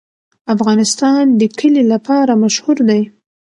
افغانستان د کلي لپاره مشهور دی.